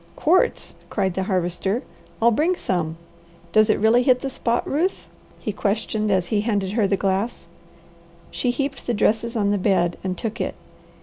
"Quarts!" cried the Harvester. "I'll bring some. ... Does it really hit the spot, Ruth?" he questioned as he handed her the glass. She heaped the dresses on the bed and took it.